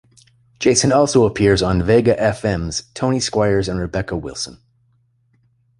Jason also appears on vega fm's "Tony Squires and Rebecca Wilson".